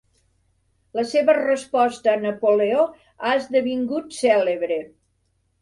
La seva resposta a Napoleó ha esdevingut cèlebre.